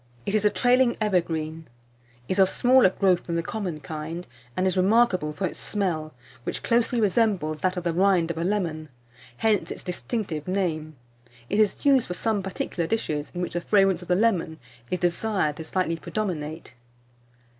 It is a trailing evergreen, is of smaller growth than the common kind (see No. 166), and is remarkable for its smell, which closely resembles that of the rind of a lemon. Hence its distinctive name. It is used for some particular dishes, in which the fragrance of the lemon is desired to slightly predominate.